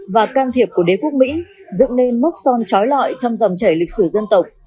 và can thiệp của đế quốc mỹ dựng nên mốc son trói lọi trong dòng chảy lịch sử dân tộc